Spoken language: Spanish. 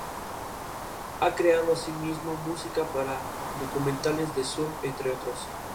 Ha creado asimismo música para documentales de surf entre otros.